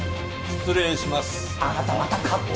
失礼します。